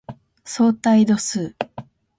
相対度数